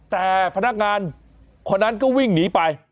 แต่พนักงานคนนั้นก็วิ่งหนีไป